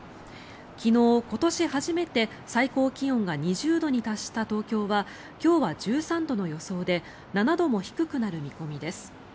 昨日、今年初めて最高気温が２０度に達した東京は今日は１３度の予想で７度も低くなる見込みです。